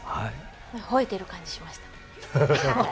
ほえてる感じがしました。